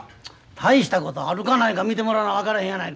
大したことあるかないか診てもらわな分からへんやないか。